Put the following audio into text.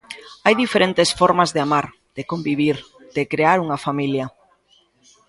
Hai diferentes formas de amar, de convivir, de crear unha familia.